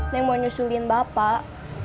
neng mau nyusulin bapak